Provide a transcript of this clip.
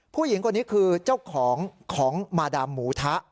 ผู้หญิงคนนี้คือเจ้าของของมาดามหมูทะ